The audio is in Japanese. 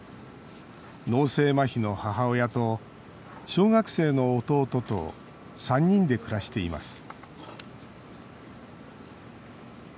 脳性まひの母親と小学生の弟と３人で暮らしています